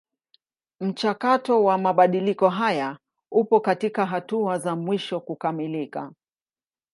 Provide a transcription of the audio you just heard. Mchakato wa mabadiliko haya upo katika hatua za mwisho kukamilika.